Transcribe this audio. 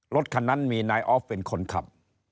รถคันนั้นมีนายออฟเป็นคนขับ